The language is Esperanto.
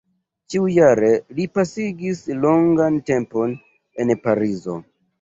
Ĉiujare li pasigis longan tempon en Parizo.